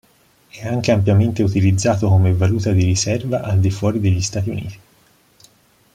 È anche ampiamente utilizzato come valuta di riserva al di fuori degli Stati Uniti.